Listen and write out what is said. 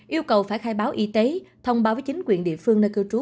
yêu cầu phải khai báo y tế thông báo với chính quyền địa phương nơi cư trú